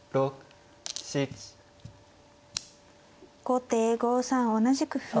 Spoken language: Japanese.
後手５三同じく歩。